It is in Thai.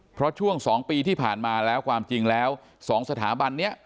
เพราะช่วง๒ปีที่ผ่านมาแล้วความจริงแล้ว๒สถาบันนี้